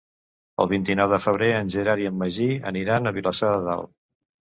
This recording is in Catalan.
El vint-i-nou de febrer en Gerard i en Magí aniran a Vilassar de Dalt.